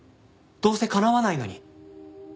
どうせ叶わないのに。